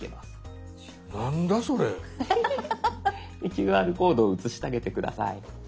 ＱＲコードを写してあげて下さい。